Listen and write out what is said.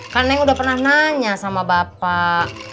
kan neng udah pernah nanya sama bapak